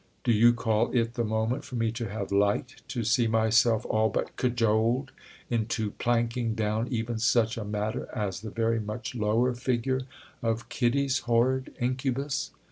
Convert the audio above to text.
Do you call it the moment for me to have liked to see myself all but cajoled into planking down even such a matter as the very much lower figure of Kitty's horrid incubus?"